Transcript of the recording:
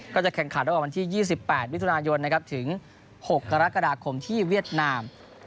จะแข่งขันระหว่างวันที่๒๘มิถุนายนถึง๖กรกฎาคมที่เวียดนาม